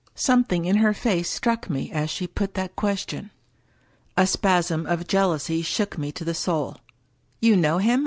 Something in her face struck me as she put that question. A spasm of jealousy shook me to the soul. "You know him ?